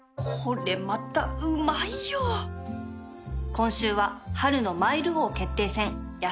今週は春のマイル王決定戦